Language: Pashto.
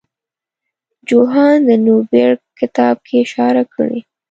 جوهان نوربیرګ کتاب کې اشاره کړې.